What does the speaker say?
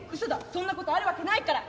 そんなことあるわけない」から。